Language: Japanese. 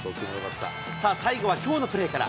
さあ、最後はきょうのプレーから。